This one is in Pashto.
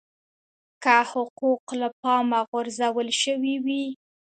که حقوق له پامه غورځول شوي وي.